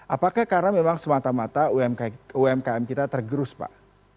apakah karena memang semata mata umkm kita tergerus pak